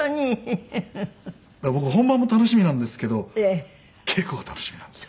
だから僕本番も楽しみなんですけど稽古が楽しみなんです。